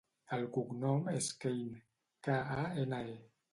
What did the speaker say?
El cognom és Kane: ca, a, ena, e.